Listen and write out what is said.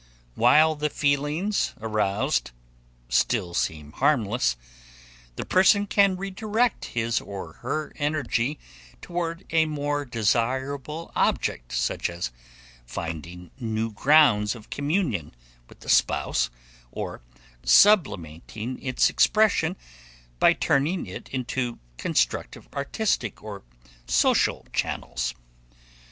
While the feelings aroused still seem harmless, the person can redirect his or her energy toward a more desirable object such as finding new grounds of communion with the spouse or sublimating its expression by turning it into constructive artistic or social channels.